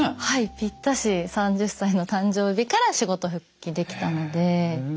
はいぴったし３０歳の誕生日から仕事復帰できたので。